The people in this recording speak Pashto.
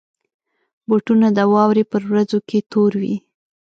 بوټونه د واورې پر ورځو کې تور وي.